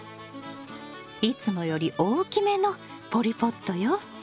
いつもより大きめのポリポットよ。